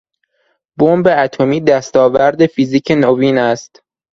بمب اتمی دستاورد فیزیک نوین است.